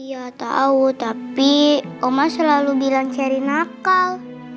iya tau tapi oma selalu bilang cherry nakal